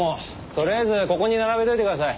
とりあえずここに並べておいてください。